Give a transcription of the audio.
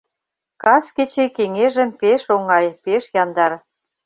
Кас кече кеҥежым пеш оҥай, пеш яндар.